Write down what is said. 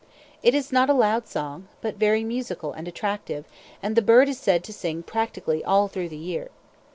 It is not a loud song, but very musical and attractive, and the bird is said to sing practically all through the year.